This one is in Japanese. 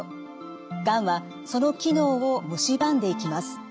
がんはその機能をむしばんでいきます。